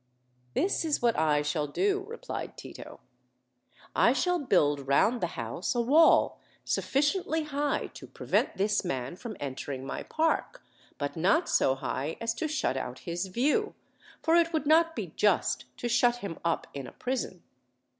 "This is what I shall do," replied Tito: "I shall build round the house a wall sufficiently high to prevent this man from entering my park, but not so high as to shut out his view, for it would not be just to shut him up in a prison.